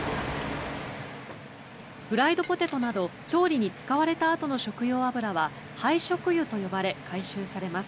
フライドポテトなど調理に使われたあとの食用油は廃食油と呼ばれ回収されます。